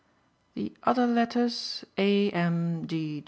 The other letters, A.M.